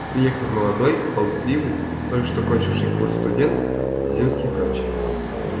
Приехал молодой болтливый, только что кончивший курс студент, земский врач.